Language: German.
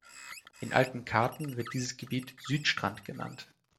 In alten Karten wird dieses Gebiet Südstrand genannt.